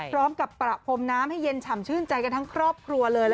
พร้อมกับประผมน้ำให้เย็นช่ำชื่นใจมีกับทั้งครอบครัวเลย